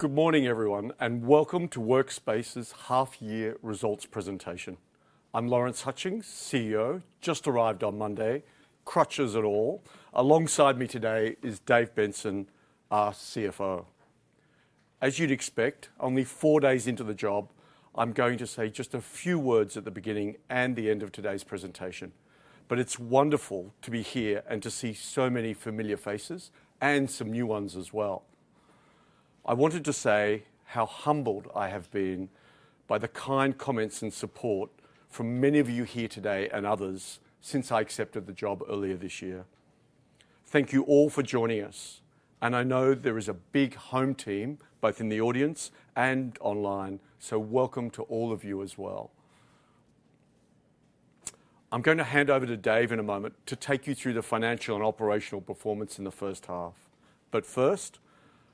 Good morning, everyone, and welcome to Workspace's half-year results presentation. I'm Lawrence Hutchings, CEO, just arrived on Monday, crutches and all. Alongside me today is Dave Benson, our CFO. As you'd expect, only four days into the job, I'm going to say just a few words at the beginning and the end of today's presentation. But it's wonderful to be here and to see so many familiar faces and some new ones as well. I wanted to say how humbled I have been by the kind comments and support from many of you here today and others since I accepted the job earlier this year. Thank you all for joining us, and I know there is a big home team, both in the audience and online, so welcome to all of you as well. I'm going to hand over to Dave in a moment to take you through the financial and operational performance in the first half. But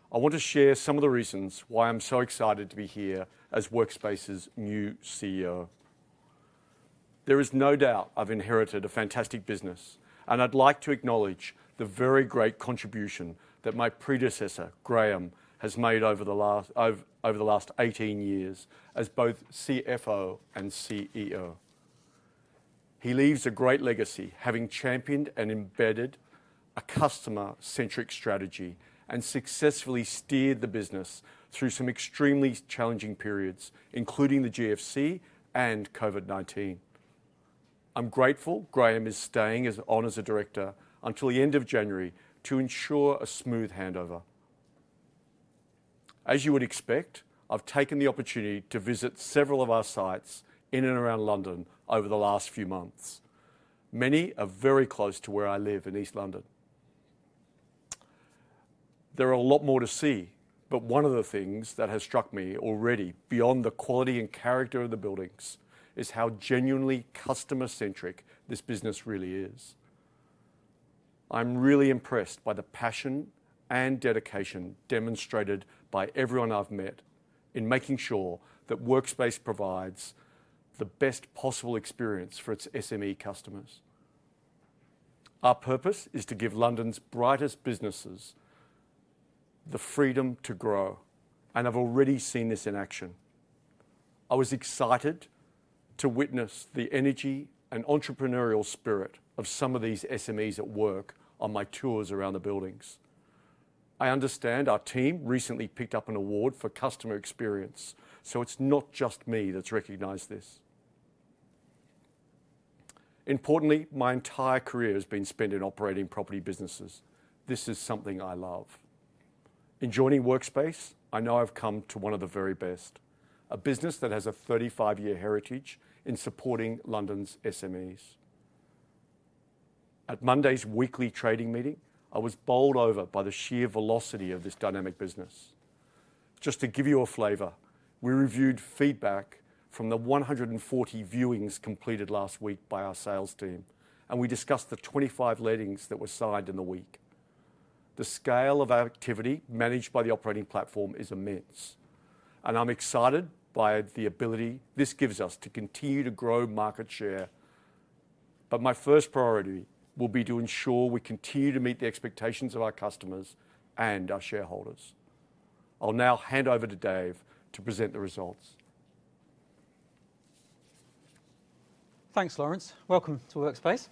first, I want to share some of the reasons why I'm so excited to be here as Workspace's new CEO. There is no doubt I've inherited a fantastic business, and I'd like to acknowledge the very great contribution that my predecessor, Graham, has made over the last 18 years as both CFO and CEO. He leaves a great legacy, having championed and embedded a customer-centric strategy and successfully steered the business through some extremely challenging periods, including the GFC and COVID-19. I'm grateful Graham is staying as Director until the end of January to ensure a smooth handover. As you would expect, I've taken the opportunity to visit several of our sites in and around London over the last few months; many are very close to where I live in East London. There are a lot more to see, but one of the things that has struck me already, beyond the quality and character of the buildings, is how genuinely customer-centric this business really is. I'm really impressed by the passion and dedication demonstrated by everyone I've met in making sure that Workspace provides the best possible experience for its SME customers. Our purpose is to give London's brightest businesses the freedom to grow, and I've already seen this in action. I was excited to witness the energy and entrepreneurial spirit of some of these SMEs at work on my tours around the buildings. I understand our team recently picked up an award for customer experience, so it's not just me that's recognized this. Importantly, my entire career has been spent in operating property businesses. This is something I love. In joining Workspace, I know I've come to one of the very best, a business that has a 35-year heritage in supporting London's SMEs. At Monday's weekly trading meeting, I was bowled over by the sheer velocity of this dynamic business. Just to give you a flavor, we reviewed feedback from the 140 viewings completed last week by our sales team, and we discussed the 25 lettings that were signed in the week. The scale of our activity managed by the operating platform is immense, and I'm excited by the ability this gives us to continue to grow market share. But my first priority will be to ensure we continue to meet the expectations of our customers and our shareholders. I'll now hand over to Dave to present the results. Thanks, Lawrence. Welcome to Workspace,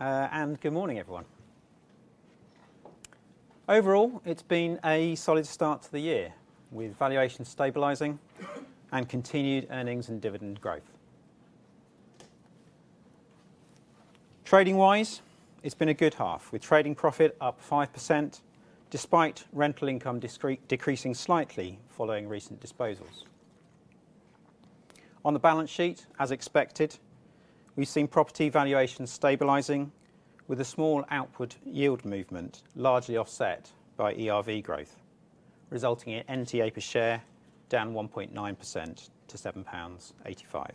and good morning, everyone. Overall, it's been a solid start to the year with valuations stabilizing and continued earnings and dividend growth. Trading-wise, it's been a good half, with trading profit up 5% despite rental income decreasing slightly following recent disposals. On the balance sheet, as expected, we've seen property valuations stabilizing with a small outward yield movement largely offset by ERV growth, resulting in NTA per share down 1.9% to GBP 7.85.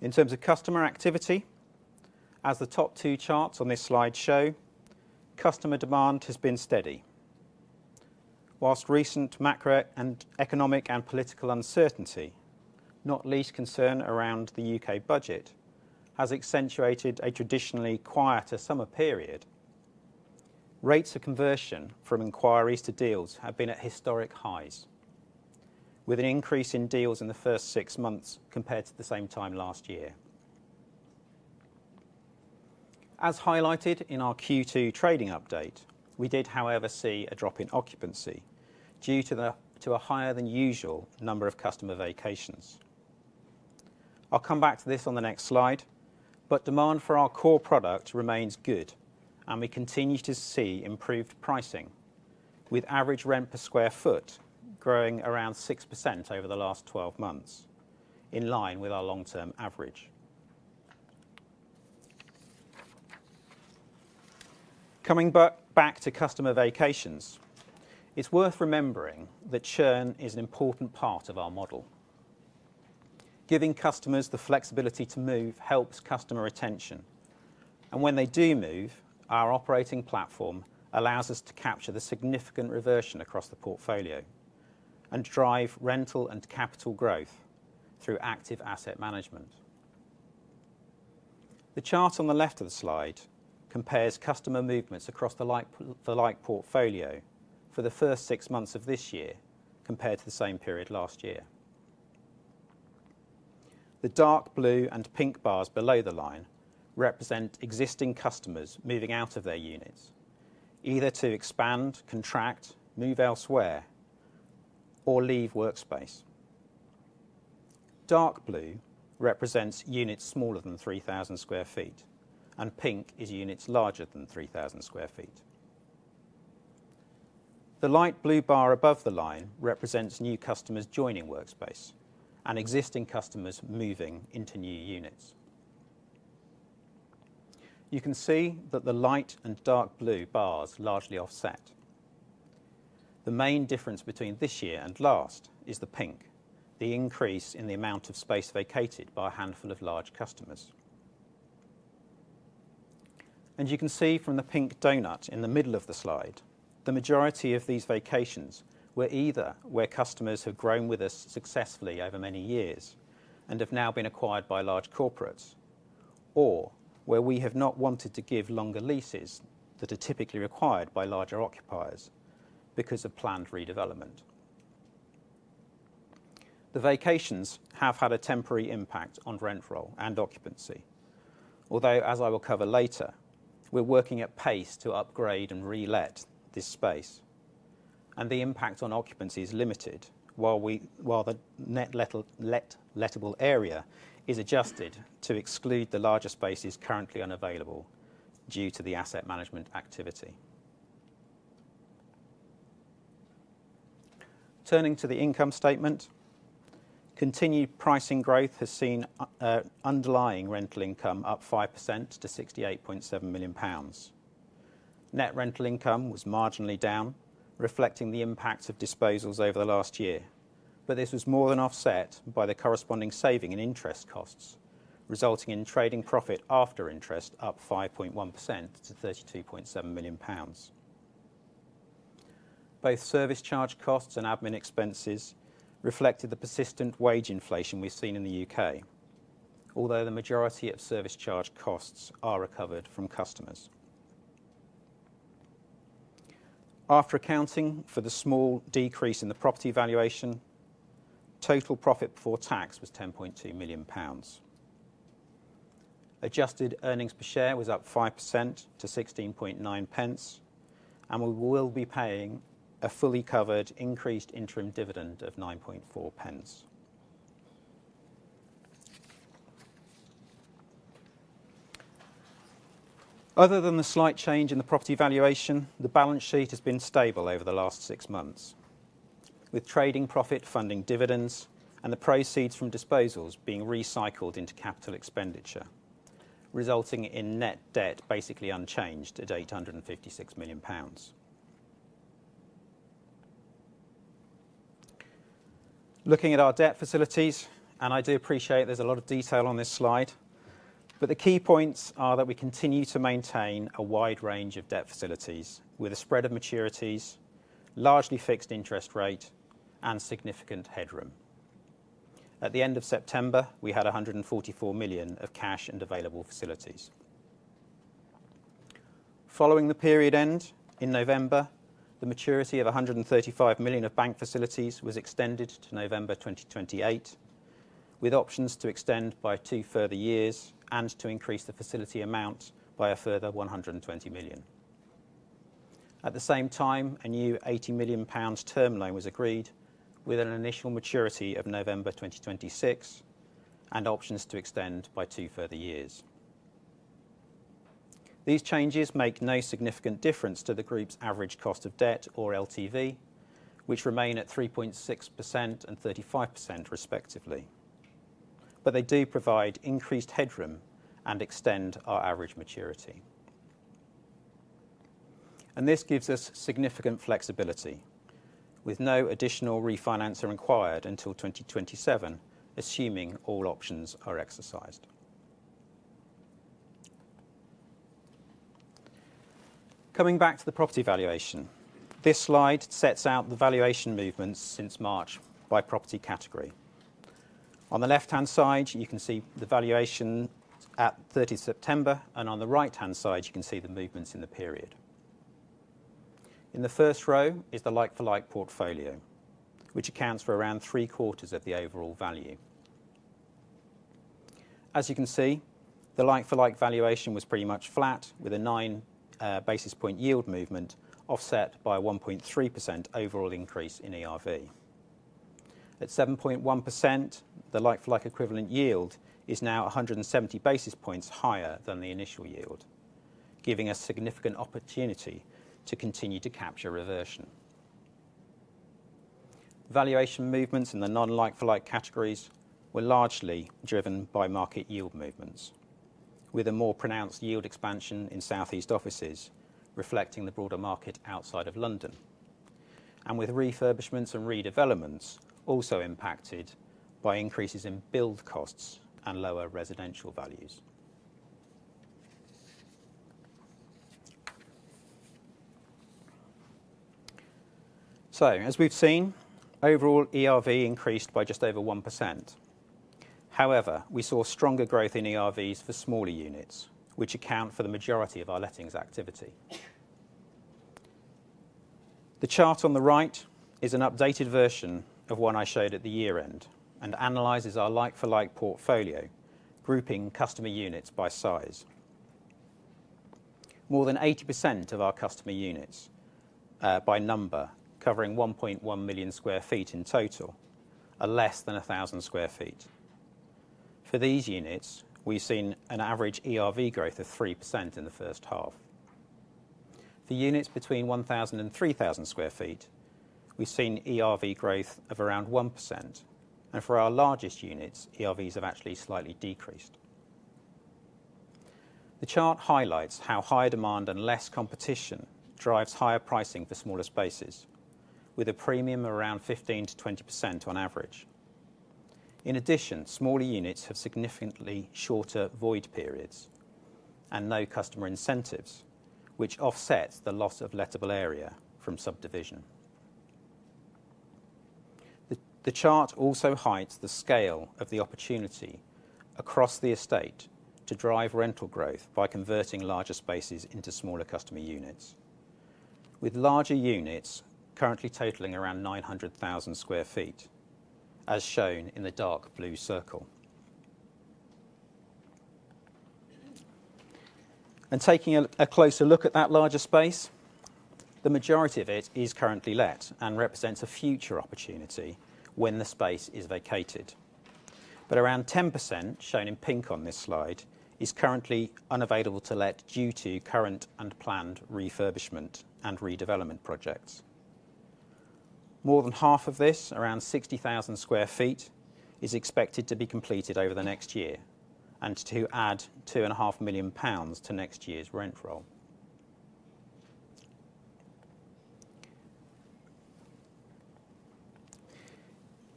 In terms of customer activity, as the top two charts on this slide show, customer demand has been steady, whilst recent macro and economic and political uncertainty, not least concern around the U.K. budget, has accentuated a traditionally quieter summer period. Rates of conversion from inquiries to deals have been at historic highs, with an increase in deals in the first six months compared to the same time last year. As highlighted in our Q2 trading update, we did, however, see a drop in occupancy due to a higher-than-usual number of customer vacations. I'll come back to this on the next slide, but demand for our core product remains good, and we continue to see improved pricing, with average rent per sq ft growing around 6% over the last 12 months, in line with our long-term average. Coming back to customer vacations, it's worth remembering that churn is an important part of our model. Giving customers the flexibility to move helps customer retention, and when they do move, our operating platform allows us to capture the significant reversion across the portfolio and drive rental and capital growth through active asset management. The chart on the left of the slide compares customer movements across the like-for-like portfolio for the first six months of this year compared to the same period last year. The dark blue and pink bars below the line represent existing customers moving out of their units, either to expand, contract, move elsewhere, or leave Workspace. Dark blue represents units smaller than 3,000 sq ft, and pink is units larger than 3,000 sq ft. The light blue bar above the line represents new customers joining Workspace and existing customers moving into new units. You can see that the light and dark blue bars largely offset. The main difference between this year and last is the pink, the increase in the amount of space vacated by a handful of large customers. You can see from the pink donut in the middle of the slide, the majority of these vacancies were either where customers have grown with us successfully over many years and have now been acquired by large corporates, or where we have not wanted to give longer leases that are typically required by larger occupiers because of planned redevelopment. The vacancies have had a temporary impact on rent roll and occupancy, although, as I will cover later, we're working at pace to upgrade and re-let this space, and the impact on occupancy is limited while the net lettable area is adjusted to exclude the larger spaces currently unavailable due to the asset management activity. Turning to the income statement, continued pricing growth has seen underlying rental income up 5% to 68.7 million pounds. Net rental income was marginally down, reflecting the impact of disposals over the last year, but this was more than offset by the corresponding saving in interest costs, resulting in trading profit after interest up 5.1% to £32.7 million. Both service charge costs and admin expenses reflected the persistent wage inflation we've seen in the U.K., although the majority of service charge costs are recovered from customers. After accounting for the small decrease in the property valuation, total profit before tax was £10.2 million. Adjusted earnings per share was up 5% to 16.9p, and we will be paying a fully covered increased interim dividend of 9.4p. Other than the slight change in the property valuation, the balance sheet has been stable over the last six months, with trading profit funding dividends and the proceeds from disposals being recycled into capital expenditure, resulting in net debt basically unchanged at £856 million. Looking at our debt facilities, and I do appreciate there's a lot of detail on this slide, but the key points are that we continue to maintain a wide range of debt facilities with a spread of maturities, largely fixed interest rate, and significant headroom. At the end of September, we had £144 million of cash and available facilities. Following the period end in November, the maturity of £135 million of bank facilities was extended to November 2028, with options to extend by two further years and to increase the facility amount by a further £120 million. At the same time, a new £80 million term loan was agreed with an initial maturity of November 2026 and options to extend by two further years. These changes make no significant difference to the group's average cost of debt or LTV, which remain at 3.6% and 35%, respectively, but they do provide increased headroom and extend our average maturity. This gives us significant flexibility, with no additional refinancer required until 2027, assuming all options are exercised. Coming back to the property valuation, this slide sets out the valuation movements since March by property category. On the left-hand side, you can see the valuation at 30 September, and on the right-hand side, you can see the movements in the period. In the first row is the like-for-like portfolio, which accounts for around three-quarters of the overall value. As you can see, the like-for-like valuation was pretty much flat, with a nine basis points yield movement offset by a 1.3% overall increase in ERV. At 7.1%, the like-for-like equivalent yield is now 170 basis points higher than the initial yield, giving us significant opportunity to continue to capture reversion. Valuation movements in the non-like-for-like categories were largely driven by market yield movements, with a more pronounced yield expansion in South East offices reflecting the broader market outside of London, and with refurbishments and redevelopments also impacted by increases in build costs and lower residential values. So, as we've seen, overall ERV increased by just over 1%. However, we saw stronger growth in ERVs for smaller units, which account for the majority of our lettings activity. The chart on the right is an updated version of one I showed at the year-end and analyzes our like-for-like portfolio, grouping customer units by size. More than 80% of our customer units by number, covering 1.1 million sq ft in total, are less than 1,000 sq ft. For these units, we've seen an average ERV growth of 3% in the first half. For units between 1,000 and 3,000 sq ft, we've seen ERV growth of around 1%, and for our largest units, ERVs have actually slightly decreased. The chart highlights how higher demand and less competition drives higher pricing for smaller spaces, with a premium of around 15%-20% on average. In addition, smaller units have significantly shorter void periods and no customer incentives, which offsets the loss of lettable area from subdivision. The chart also highlights the scale of the opportunity across the estate to drive rental growth by converting larger spaces into smaller customer units, with larger units currently totaling around 900,000 sq ft, as shown in the dark blue circle. Taking a closer look at that larger space, the majority of it is currently let and represents a future opportunity when the space is vacated. Around 10%, shown in pink on this slide, is currently unavailable to let due to current and planned refurbishment and redevelopment projects. More than half of this, around 60,000 sq ft, is expected to be completed over the next year and to add 2.5 million pounds to next year's rent roll.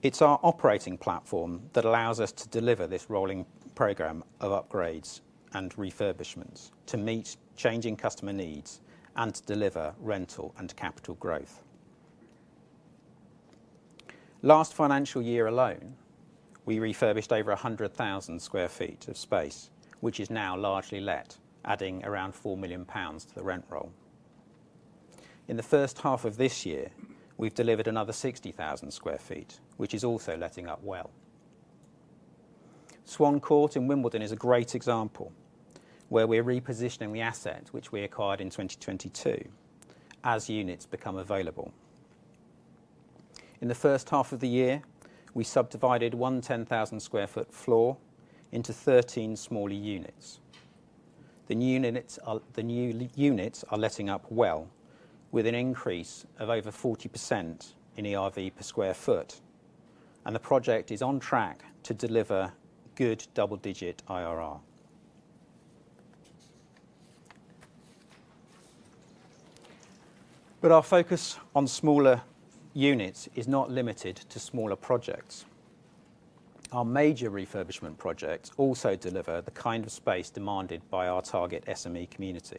It's our operating platform that allows us to deliver this rolling program of upgrades and refurbishments to meet changing customer needs and to deliver rental and capital growth. Last financial year alone, we refurbished over 100,000 sq ft of space, which is now largely let, adding around 4 million pounds to the rent roll. In the first half of this year, we've delivered another 60,000 sq ft, which is also letting up well. Swan Court in Wimbledon is a great example where we're repositioning the asset which we acquired in 2022 as units become available. In the first half of the year, we subdivided one 10,000 sq ft floor into 13 smaller units. The new units are letting up well, with an increase of over 40% in ERV per sq ft, and the project is on track to deliver good double-digit IRR. But our focus on smaller units is not limited to smaller projects. Our major refurbishment projects also deliver the kind of space demanded by our target SME community.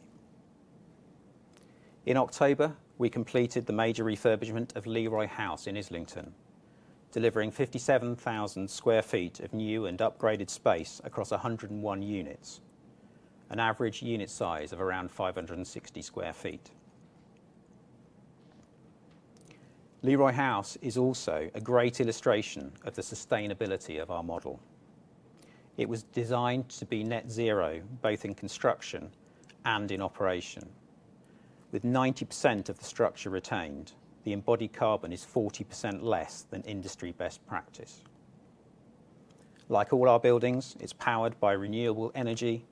In October, we completed the major refurbishment of Leroy House in Islington, delivering 57,000 sq ft of new and upgraded space across 101 units, an average unit size of around 560 sq ft. Leroy House is also a great illustration of the sustainability of our model. It was designed to be net zero both in construction and in operation. With 90% of the structure retained, the embodied carbon is 40% less than industry best practice. Like all our buildings, it's powered by renewable energy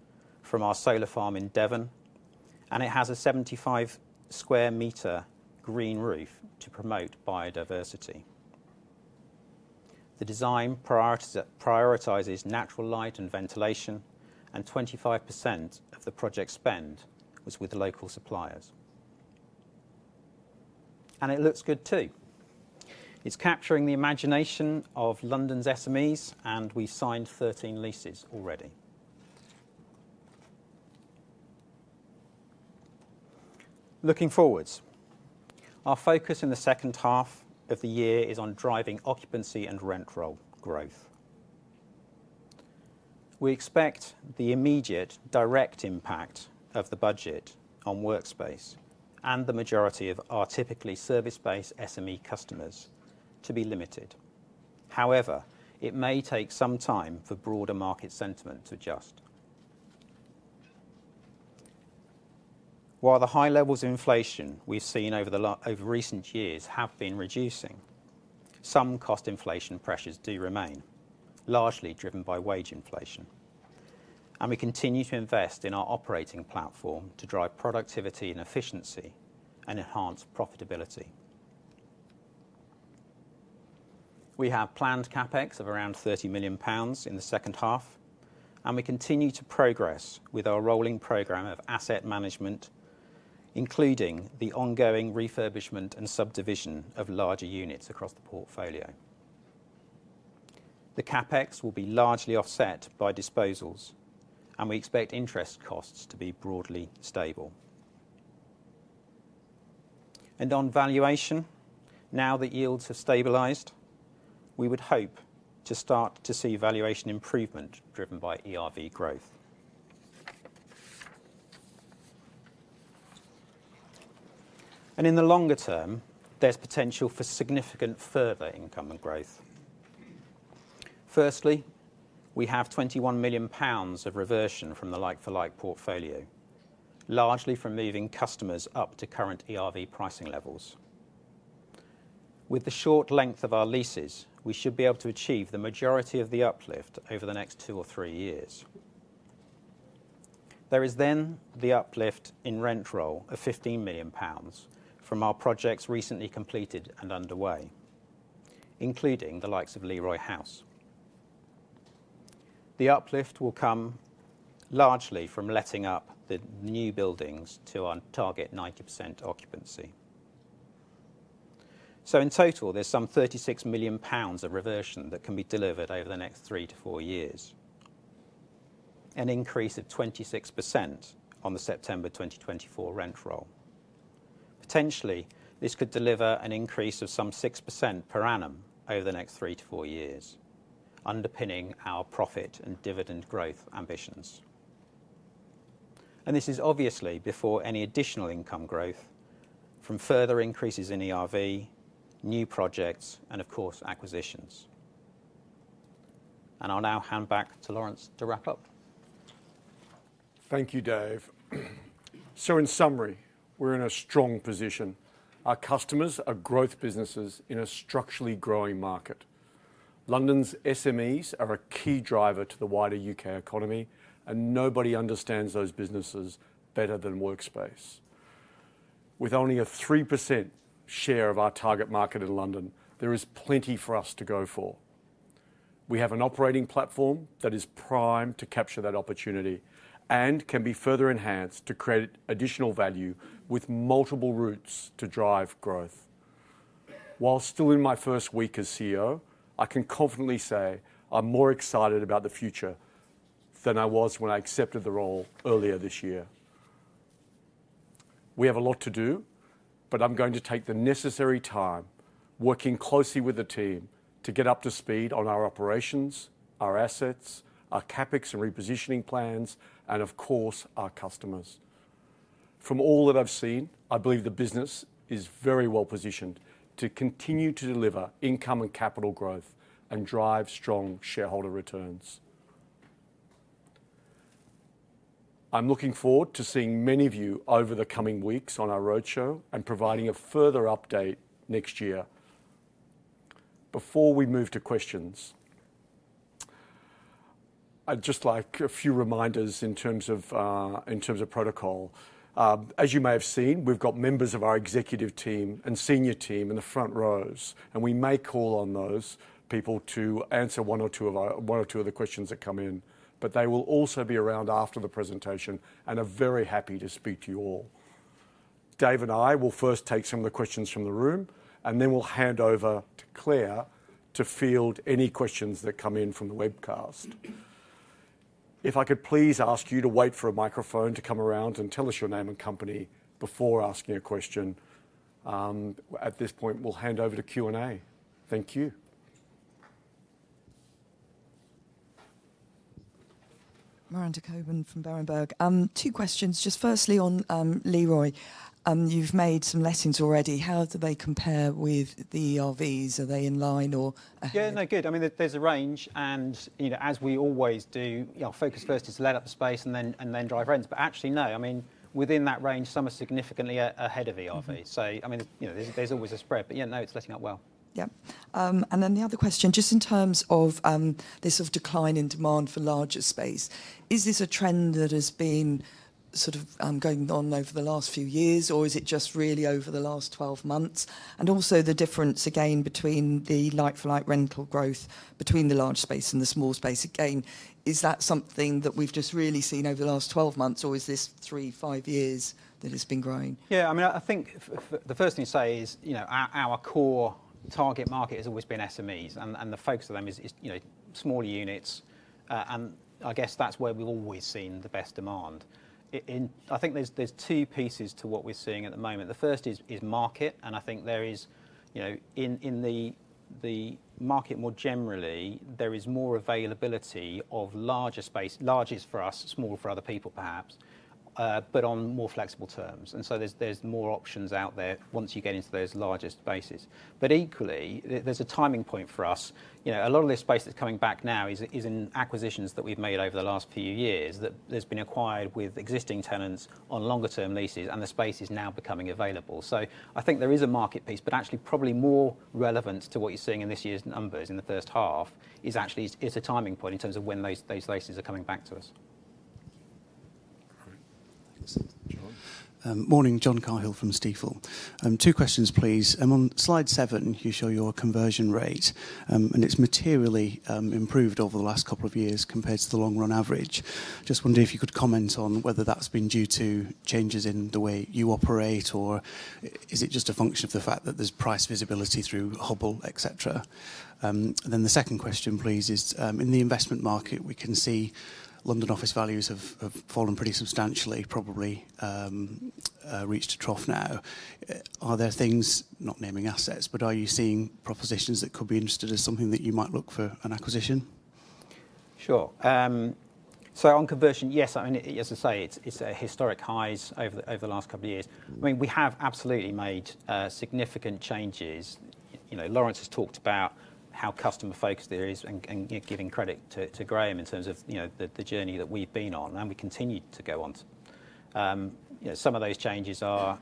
from our solar farm in Devon, and it has a 75-square-meter green roof to promote biodiversity. The design prioritizes natural light and ventilation, and 25% of the project spend was with local suppliers. And it looks good too. It's capturing the imagination of London's SMEs, and we've signed 13 leases already. Looking forward, our focus in the second half of the year is on driving occupancy and rent roll growth. We expect the immediate direct impact of the budget on Workspace and the majority of our typically service-based SME customers to be limited. However, it may take some time for broader market sentiment to adjust. While the high levels of inflation we've seen over recent years have been reducing, some cost inflation pressures do remain, largely driven by wage inflation, and we continue to invest in our operating platform to drive productivity and efficiency and enhance profitability. We have planned CapEx of around 30 million pounds in the second half, and we continue to progress with our rolling program of asset management, including the ongoing refurbishment and subdivision of larger units across the portfolio. The CapEx will be largely offset by disposals, and we expect interest costs to be broadly stable, and on valuation, now that yields have stabilized, we would hope to start to see valuation improvement driven by ERV growth, and in the longer term, there's potential for significant further income and growth. Firstly, we have 21 million pounds of reversion from the like-for-like portfolio, largely from moving customers up to current ERV pricing levels. With the short length of our leases, we should be able to achieve the majority of the uplift over the next two or three years. There is then the uplift in rent roll of 15 million pounds from our projects recently completed and underway, including the likes of Leroy House. The uplift will come largely from letting up the new buildings to our target 90% occupancy. So in total, there's some 36 million pounds of reversion that can be delivered over the next three to four years, an increase of 26% on the September 2024 rent roll. Potentially, this could deliver an increase of some 6% per annum over the next three to four years, underpinning our profit and dividend growth ambitions. And this is obviously before any additional income growth from further increases in ERV, new projects, and of course, acquisitions. And I'll now hand back to Lawrence to wrap up. Thank you, Dave. So in summary, we're in a strong position. Our customers are growth businesses in a structurally growing market. London's SMEs are a key driver to the wider U.K. economy, and nobody understands those businesses better than Workspace. With only a 3% share of our target market in London, there is plenty for us to go for. We have an operating platform that is primed to capture that opportunity and can be further enhanced to create additional value with multiple routes to drive growth. While still in my first week as CEO, I can confidently say I'm more excited about the future than I was when I accepted the role earlier this year. We have a lot to do, but I'm going to take the necessary time working closely with the team to get up to speed on our operations, our assets, our CapEx and repositioning plans, and of course, our customers. From all that I've seen, I believe the business is very well positioned to continue to deliver income and capital growth and drive strong shareholder returns. I'm looking forward to seeing many of you over the coming weeks on our roadshow and providing a further update next year. Before we move to questions, I'd just like a few reminders in terms of protocol. As you may have seen, we've got members of our executive team and senior team in the front rows, and we may call on those people to answer one or two of the questions that come in, but they will also be around after the presentation and are very happy to speak to you all. Dave and I will first take some of the questions from the room, and then we'll hand over to Clare to field any questions that come in from the webcast. If I could please ask you to wait for a microphone to come around and tell us your name and company before asking a question. At this point, we'll hand over to Q&A. Thank you. Miranda Cockburn from Berenberg. Two questions. Just firstly on Leroy, you've made some lettings already. How do they compare with the ERVs? Are they in line or? Yeah, no, good. I mean, there's a range, and as we always do, our focus first is to let up the space and then drive rents. But actually, no. I mean, within that range, some are significantly ahead of ERVs. So I mean, there's always a spread, but yeah, no, it's letting up well. Yeah. And then the other question, just in terms of this sort of decline in demand for larger space, is this a trend that has been sort of going on over the last few years, or is it just really over the last 12 months? And also the difference, again, between the like-for-like rental growth between the large space and the small space, again, is that something that we've just really seen over the last 12 months, or is this three, five years that it's been growing? Yeah, I mean, I think the first thing to say is our core target market has always been SMEs, and the focus of them is smaller units, and I guess that's where we've always seen the best demand. I think there's two pieces to what we're seeing at the moment. The first is market, and I think there is, in the market more generally, there is more availability of larger space, larger for us, smaller for other people perhaps, but on more flexible terms. And so there's more options out there once you get into those largest spaces. But equally, there's a timing point for us. A lot of this space that's coming back now is in acquisitions that we've made over the last few years that there's been acquired with existing tenants on longer-term leases, and the space is now becoming available. So I think there is a market piece, but actually probably more relevant to what you're seeing in this year's numbers in the first half is actually it's a timing point in terms of when those spaces are coming back to us. Thank you. Morning, John Cahill from Stifel. Two questions, please. On slide seven, you show your conversion rate, and it's materially improved over the last couple of years compared to the long-run average. Just wonder if you could comment on whether that's been due to changes in the way you operate, or is it just a function of the fact that there's price visibility through Hubble, etc. Then the second question, please, is in the investment market, we can see London office values have fallen pretty substantially, probably reached a trough now. Are there things, not naming assets, but are you seeing propositions that could be of interest as something that you might look for an acquisition? Sure. So on conversion, yes, I mean, as I say, it's at historic highs over the last couple of years. I mean, we have absolutely made significant changes. Lawrence has talked about how customer-focused it is and giving credit to Graham in terms of the journey that we've been on, and we continue to go on. Some of those changes are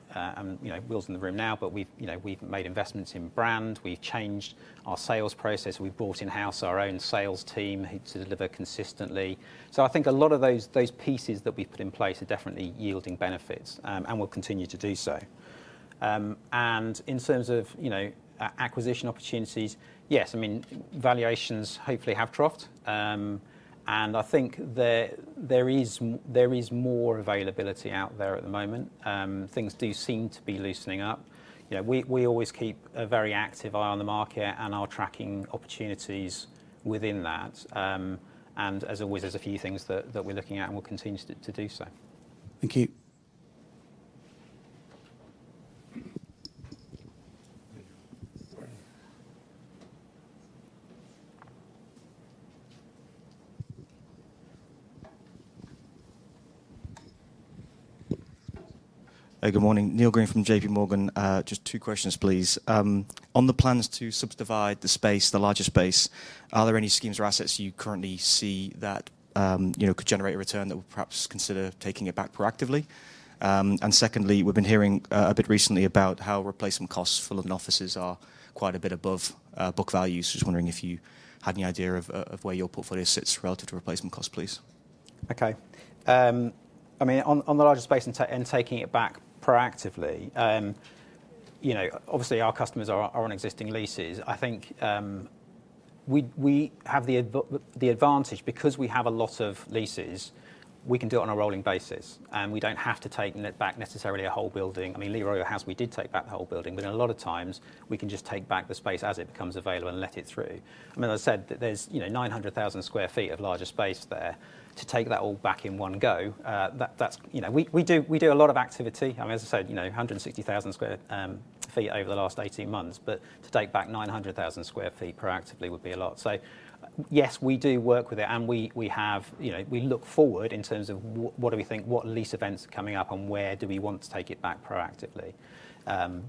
wheels in motion now, but we've made investments in brand. We've changed our sales process. We've brought in-house our own sales team to deliver consistently. So I think a lot of those pieces that we've put in place are definitely yielding benefits and will continue to do so. In terms of acquisition opportunities, yes, I mean, valuations hopefully have troughed, and I think there is more availability out there at the moment. Things do seem to be loosening up. We always keep a very active eye on the market and our tracking opportunities within that. And as always, there's a few things that we're looking at and we'll continue to do so. Thank you. Hey, good morning. Neil Green from J.P. Morgan. Just two questions, please. On the plans to subdivide the space, the larger space, are there any schemes or assets you currently see that could generate a return that will perhaps consider taking it back proactively? And secondly, we've been hearing a bit recently about how replacement costs for London offices are quite a bit above book values. Just wondering if you had any idea of where your portfolio sits relative to replacement costs, please. Okay. I mean, on the larger space and taking it back proactively, obviously our customers are on existing leases. I think we have the advantage because we have a lot of leases, we can do it on a rolling basis, and we don't have to take back necessarily a whole building. I mean, Leroy House, we did take back the whole building, but in a lot of times, we can just take back the space as it becomes available and let it through. I mean, as I said, there's 900,000 sq ft of larger space there. To take that all back in one go, we do a lot of activity. I mean, as I said, 160,000 sq ft over the last 18 months, but to take back 900,000 sq ft proactively would be a lot. So yes, we do work with it, and we look forward in terms of what do we think, what lease events are coming up, and where do we want to take it back proactively.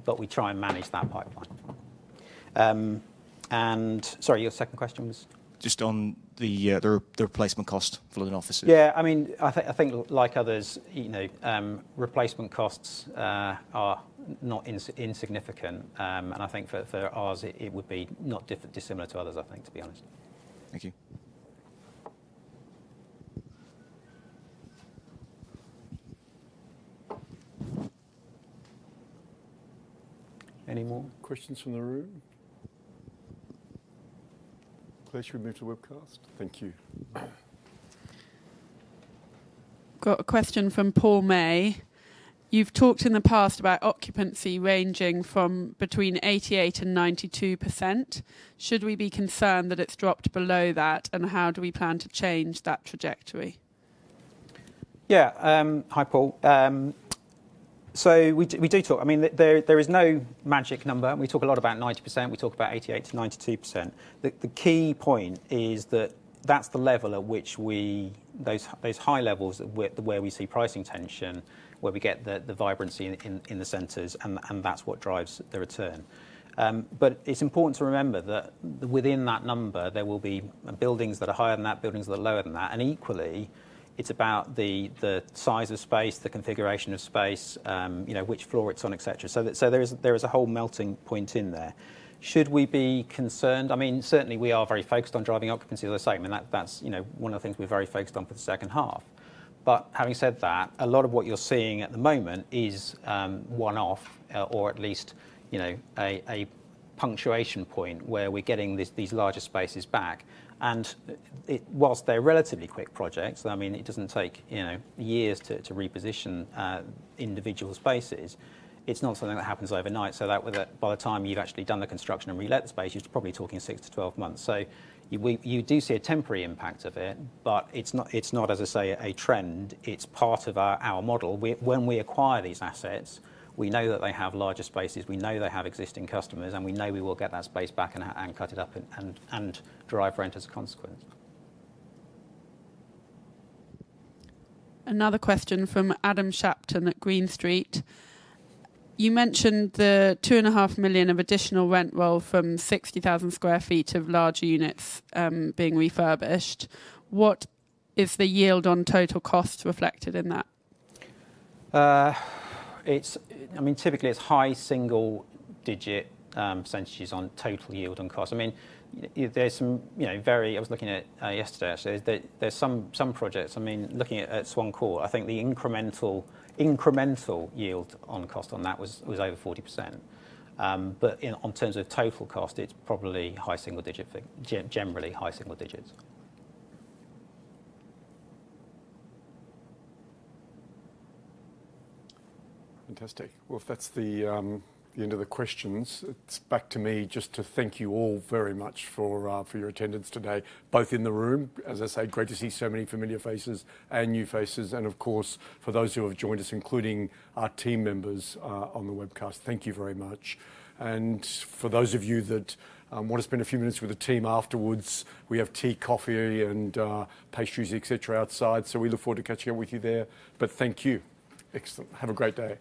But we try and manage that pipeline. And sorry, your second question was? Just on the replacement cost for London offices. Yeah, I mean, I think like others, replacement costs are not insignificant, and I think for ours, it would be not dissimilar to others, I think, to be honest. Thank you. Any more questions from the room? Please move to the webcast. Thank you. Got a question from Paul May. You've talked in the past about occupancy ranging from between 88% and 92%. Should we be concerned that it's dropped below that, and how do we plan to change that trajectory? Yeah. Hi, Paul. So we do talk. I mean, there is no magic number. We talk a lot about 90%. We talk about 88%-92%. The key point is that that's the level at which those high levels are where we see pricing tension, where we get the vibrancy in the centers, and that's what drives the return. But it's important to remember that within that number, there will be buildings that are higher than that, buildings that are lower than that. And equally, it's about the size of space, the configuration of space, which floor it's on, etc. So there is a whole melting pot in there. Should we be concerned? I mean, certainly we are very focused on driving occupancy at the same time. I mean, that's one of the things we're very focused on for the second half. But having said that, a lot of what you're seeing at the moment is one-off, or at least a punctuation point where we're getting these larger spaces back. And whilst they're relatively quick projects, I mean, it doesn't take years to reposition individual spaces. It's not something that happens overnight. So by the time you've actually done the construction and re-let the space, you're probably talking 6 to 12 months. So you do see a temporary impact of it, but it's not, as I say, a trend. It's part of our model. When we acquire these assets, we know that they have larger spaces, we know they have existing customers, and we know we will get that space back and cut it up and drive rent as a consequence. Another question from Adam Shapton at Green Street. You mentioned the 2.5 million of additional rent roll from 60,000 sq ft of large units being refurbished. What is the yield on total cost reflected in that? I mean, typically, it's high single-digit % on total yield on cost. I mean, there's some very. I was looking at it yesterday. There's some projects. I mean, looking at Swan Court, I think the incremental yield on cost on that was over 40%. But in terms of total cost, it's probably high single-digit %, generally high single digits %. Fantastic. Well, if that's the end of the questions, it's back to me just to thank you all very much for your attendance today, both in the room. As I say, great to see so many familiar faces and new faces. And of course, for those who have joined us, including our team members on the webcast, thank you very much. And for those of you that want to spend a few minutes with the team afterwards, we have tea, coffee, and pastries, etc., outside. So we look forward to catching up with you there. But thank you. Excellent. Have a great day.